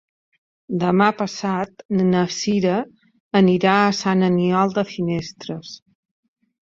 Demà passat na Cira anirà a Sant Aniol de Finestres.